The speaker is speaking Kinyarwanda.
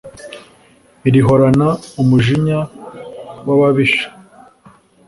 Irihorana umujinya w'ababisha